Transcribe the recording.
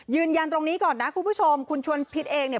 ยืนยันตรงนี้ก่อนนะคุณผู้ชมคุณชวนพิษเองเนี่ย